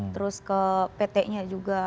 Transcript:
terus ke pt nya juga